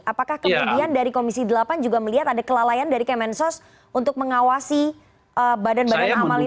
apakah kemudian dari komisi delapan juga melihat ada kelalaian dari kemensos untuk mengawasi badan badan amal ini